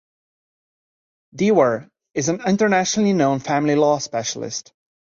Dewar is an internationally known family law specialist.